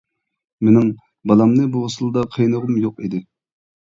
مېنىڭ بالامنى بۇ ئۇسۇلدا قىينىغۇم يوق ئىدى.